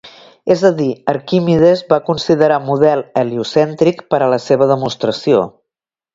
És a dir, Arquimedes va considerar un model heliocèntric per a la seva demostració.